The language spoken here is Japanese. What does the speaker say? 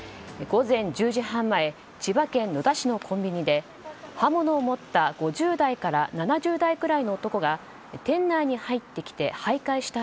午前１０時半前千葉県野田市のコンビニで刃物を持った５０代から７０代くらいの男が店内に入ってきて徘徊した